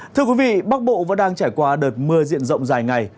thưa quý vị bắc bộ vẫn đang trải qua đợt mưa diện rộng dài ngày